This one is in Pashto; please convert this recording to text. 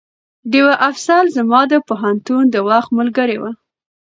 ډيوه افصل زما د پوهنتون د وخت ملګرې وه